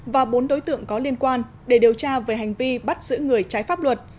và bốn đối tượng có liên quan để điều tra về hành vi bắt giữ người trái pháp luật